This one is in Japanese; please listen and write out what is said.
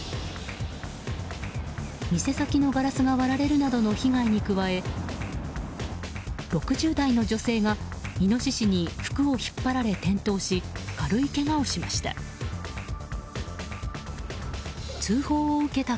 店先のガラスが割られるなどの被害に加え６０代の女性がイノシシに服を引っ張られ転倒し軽いけがをしました。